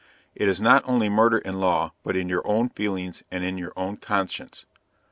It is not only murder in law, but in your own feelings and in your own conscience.